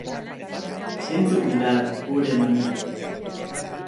Zeintzuk dira gure maniak?